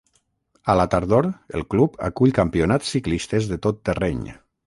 A la tardor, el club acull campionats ciclistes de tot terreny.